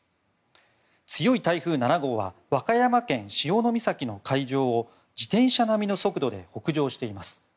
強い台風７号は和歌山県潮岬の海上を自転車並みの速度で北上しています。